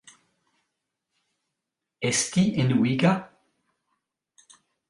Esti enuiga?